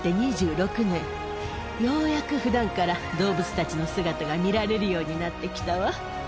ようやく普段から動物たちの姿が見られるようになってきたわ。